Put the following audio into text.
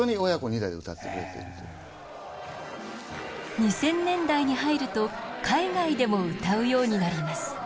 ２０００年代に入ると海外でも歌うようになります。